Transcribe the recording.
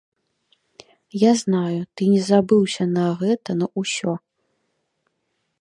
Я знаю, ты не забыўся на гэта на ўсё.